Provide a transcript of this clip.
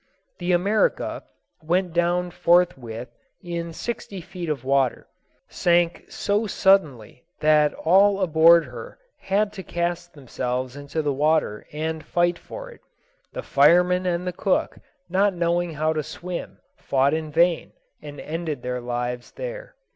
The America went down forthwith in sixty feet of water sank so suddenly that all aboard her had to cast themselves into the water and fight for it. The fireman and the cook, not knowing how to swim, fought in vain, and ended their lives there.